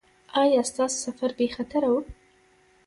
ایا ستاسو سفر بې خطره و؟